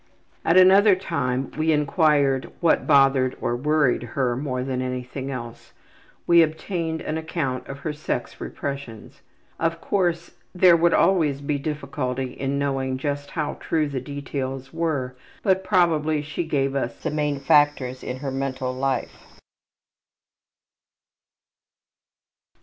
'' At another time when we inquired what bothered or worried her more than anything else we obtained an account of her sex repressions. Of course there would always be difficulty in knowing just how true the details were but probably she gave us the main factors in her mental life.